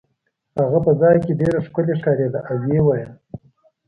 هغه په ځای کې ډېره ښکلې ښکارېده او ویې ویل.